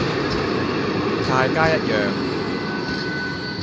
同大家一樣